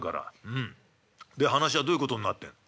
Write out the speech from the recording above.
うんで話はどういうことになってんの？」。